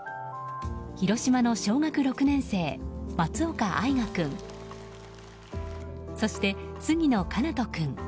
広島の小学６年生、松岡愛雅君そして、杉野奏人君。